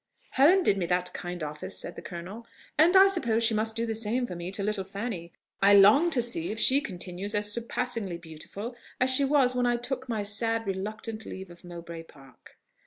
"Helen did me that kind office," said the colonel, "and I suppose she must do the same for me to little Fanny. I long to see if she continues as surpassingly beautiful as she was when I took my sad, reluctant leave of Mowbray Park."